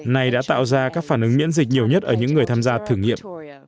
này đã tạo ra các phản ứng miễn dịch nhiều nhất ở những người tham gia thử nghiệm